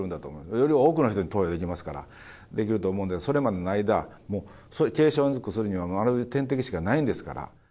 より多くの人に投与できますから、できると思うんで、それまでの間、もう軽症の薬には点滴しかないんですから。